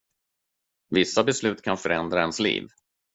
Vissa beslut kan förändra ens liv.